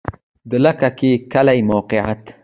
د لکه کی کلی موقعیت